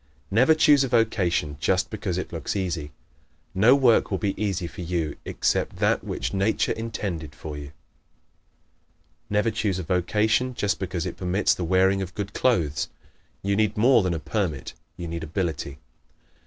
Never choose a vocation just because it looks easy. No work will be easy for you except that which Nature intended for you. Never choose a vocation just because it permits the wearing of good clothes. You need more than a permit; you need ability.